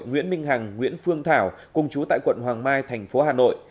nguyễn minh hằng nguyễn phương thảo cùng chú tại quận hoàng mai thành phố hà nội